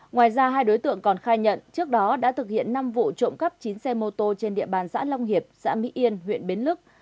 ngoài ra hai đối tượng còn khai nhận trước đó đã thực hiện năm vụ trộm cắp chín xe mô tô trên địa bàn xã long hiệp xã mỹ yên huyện bến lức